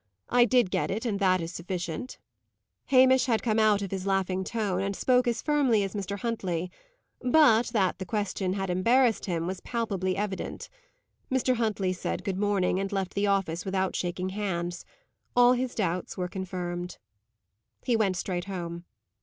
I did get it, and that is sufficient." Hamish had come out of his laughing tone, and spoke as firmly as Mr. Huntley; but, that the question had embarrassed him, was palpably evident. Mr. Huntley said good morning, and left the office without shaking hands. All his doubts were confirmed. He went straight home.